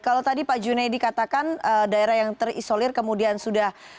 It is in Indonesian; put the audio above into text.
kalau tadi pak junaidi katakan daerah yang terisolir kemudian sudah